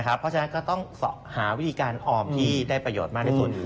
เพราะฉะนั้นก็ต้องหาวิธีการออมที่ได้ประโยชน์มากที่สุด